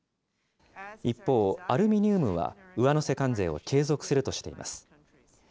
一方、アルミニウムは上乗せ関税を継続するとしています。